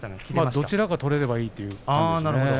どちらかを取れればいいということですね。